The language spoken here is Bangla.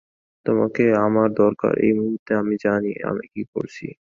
তোমাকে আমার দরকার এই মুহূর্তে আমি জানি আমি কি করছি।